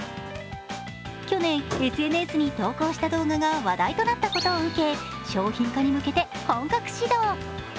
去年ＳＮＳに投稿した動画が話題になったことを受け商品化に向けて本格始動。